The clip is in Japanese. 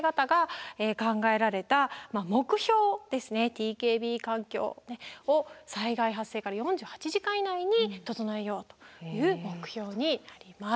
ＴＫＢ環境を災害発生から４８時間以内に整えようという目標になります。